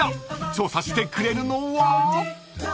［調査してくれるのは？］